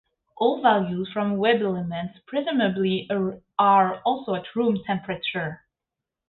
All values from WebElements presumably are also at room temperature.